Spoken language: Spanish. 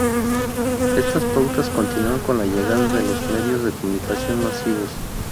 Estas pautas continúan con la llegada de los medios de comunicación masivos.